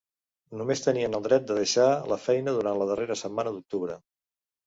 Només tenien el dret de deixar la feina durant la darrera setmana d'octubre.